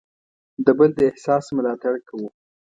د بل د احساس ملاتړ کوو.